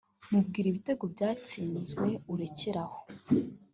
mubwire ibitego byatsinzwe urekere aho